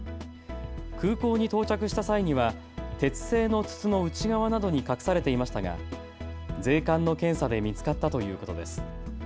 空港に到着した際には鉄製の筒の内側などに隠されていましたが税関の検査で見つかったということです。